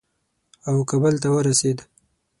او کابل ته ورسېد.